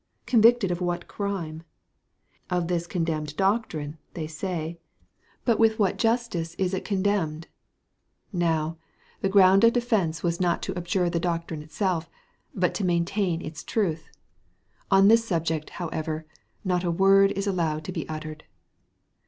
Convicted of what crime? Of this condemned doctrine, they say. But with what justice is it condemned? Now, the ground of defence was not to abjure the doctrine itself, but to maintain its truth. On this subject, however, not a word is allowed to be uttered.